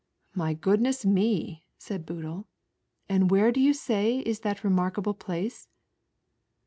"My goodness me!" said Boodle. "And where do you say is that remarkable place?"